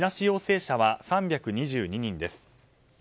陽性者は３２２人です。